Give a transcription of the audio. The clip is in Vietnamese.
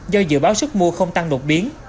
do dự báo sức mua không tăng đột biến